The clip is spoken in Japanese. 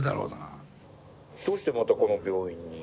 どうしてまたこの病院に？